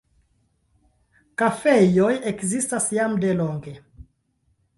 Kafejoj ekzistas jam delonge.